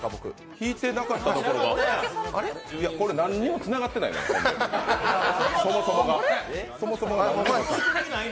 弾いてなかったところがいや、これ何にもつながってないよね、そもそもが。